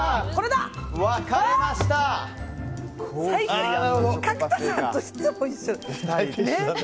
最近、角田さんといつも一緒。